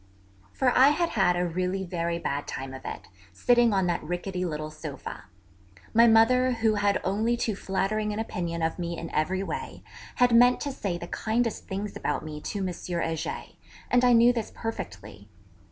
For I had had a really very bad time of it, sitting on that rickety little sofa. My mother, who had only too flattering an opinion of me in every way, had meant to say the kindest things about me to M. Heger, and I knew this perfectly.